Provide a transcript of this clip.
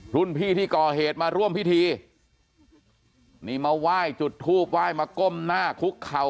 รุ่นพี่ที่ก่อเหตุมาร่วมพิธีนี่มาไหว้จุดทูบไหว้มาก้มหน้าคุกเข่า